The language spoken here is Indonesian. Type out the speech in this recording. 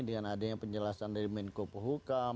dengan adanya penjelasan dari menko pohukam